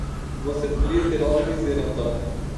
Você deveria ter algo a dizer então!